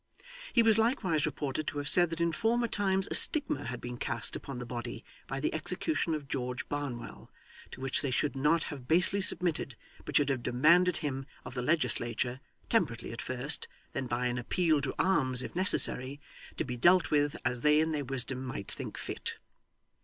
He was likewise reported to have said that in former times a stigma had been cast upon the body by the execution of George Barnwell, to which they should not have basely submitted, but should have demanded him of the legislature temperately at first; then by an appeal to arms, if necessary to be dealt with as they in their wisdom might think fit.